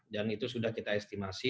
dan itu sudah kita estimasi